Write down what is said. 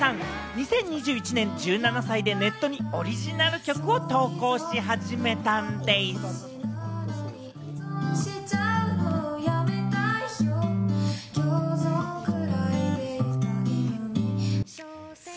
２０２１年、１７歳でネットにオリジナル曲を投稿し始めたんでぃす。